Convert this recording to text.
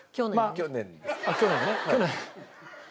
去年。